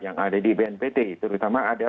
yang ada di bnpt terutama ada